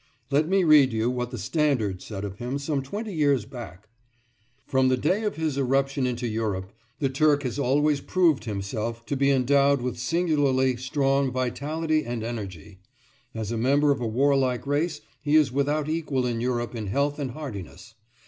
Let me read you what the Standard said of him some twenty years back: "From the day of his irruption into Europe, the Turk has always proved himself to be endowed with singularly strong vitality and energy. As a member of a warlike race, he is without equal in Europe in health and hardiness.